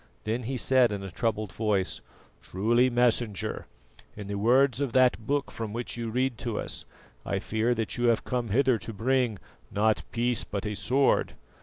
Then he said in a troubled voice: "Truly, Messenger, in the words of that Book from which you read to us, I fear that you have come hither to bring, 'not peace but a sword.